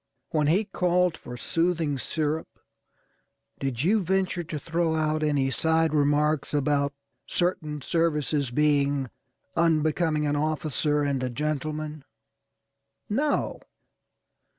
When he called for soothing syrup, did you venture to throw out any side remarks about certain services being unbecoming an officer and a gentleman? No.